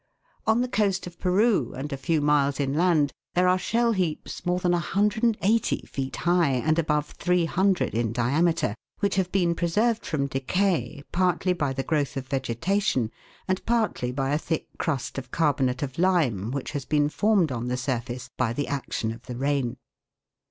On the coast of Peru, and a few miles inland, there are shell heaps more than 180 feet high and above 300 in SHELL HEAPS AND LAKE DWELLERS. 263 diameter, which have been preserved from decay partly by the growth of vegetation, and partly by a thick crust of carbonate of lime which has been formed on the surface by the action of the rain.